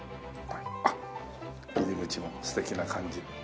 あっ入り口も素敵な感じ。